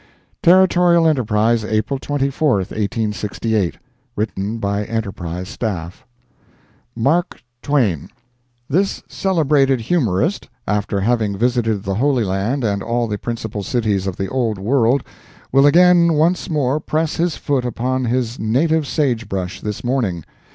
Territorial Enterprise, April 24, 1868 [written by Enterprise Staff] MARK TWAIN This celebrated humorist, after having visited the Holy Land and all the principal cities of the old world, will again once more press his foot upon his native sagebrush this morning.